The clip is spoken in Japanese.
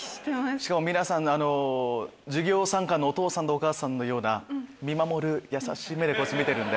しかも皆さん授業参観のお父さんとお母さんのような見守る優しい目でこっち見てるんで。